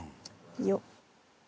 よっ。